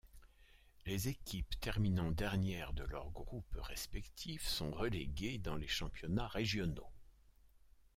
Les équipes terminant dernières de leurs groupes respectifs sont reléguées dans les championnats régionaux.